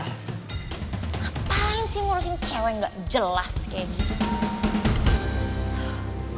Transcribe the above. ngapain sih ngurusin cewek gak jelas kayak gitu